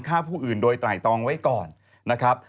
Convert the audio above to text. ฆ่าผู้อื่นโดยไตรตองไว้ก่อนนะครับ